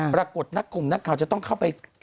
ปรากฏนักกลุ่มนักข่าวจะต้องเข้าไป